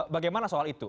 bagaimana soal itu